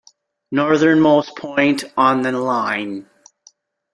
Northernmost point on the line.